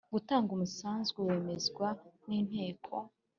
Gutanga umusanzu wemezwa n inteko